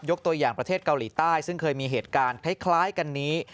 ตัวอย่างประเทศเกาหลีใต้ซึ่งเคยมีเหตุการณ์คล้ายกันนี้